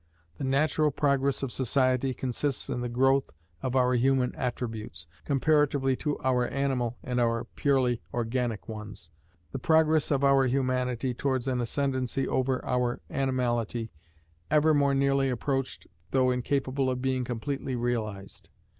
The natural progress of society consists in the growth of our human attributes, comparatively to our animal and our purely organic ones: the progress of our humanity towards an ascendancy over our animality, ever more nearly approached though incapable of being completely realized.